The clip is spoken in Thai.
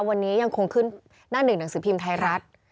วันนี้ยังคงขึ้นหน้าหนึ่งหนังสือพิมพ์ไทยรัฐ